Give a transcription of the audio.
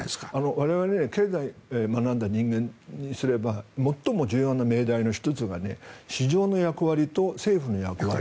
我々、経済を学んだ人間からすれば最も重要な命題の１つが市場の役割と政府の役割